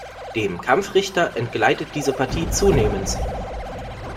Dem Kampfrichter entgleitet diese Partie zunehmends.